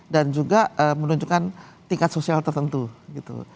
dan juga menunjukkan tingkat sosial tertentu gitu